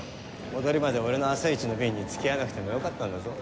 戻りまで俺の朝一の便に付き合わなくてもよかったんだぞ。